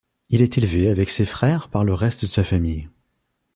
Il est élevé avec ses frères par le reste de sa famille.